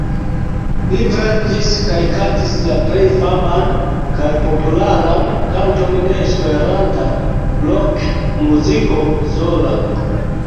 Li verkis kaj kantis la plej faman kaj popularan kanton de esperanta rokmuziko: 'Sola'.